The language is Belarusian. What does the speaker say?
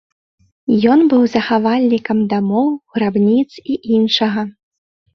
Ён быў захавальнікам дамоў, грабніц і іншага.